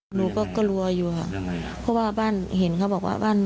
หนูก็กลัวอยู่ค่ะเพราะว่าบ้านเห็นครับ